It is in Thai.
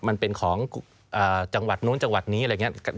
มันเป็นของจังหวัดนู้นจังหวัดนี้อะไรอย่างนี้